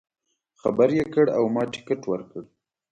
خبر یې کړ او ما ټکټ ورکړ.